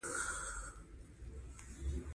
نرم قیر په دریو نوعو پیدا کیږي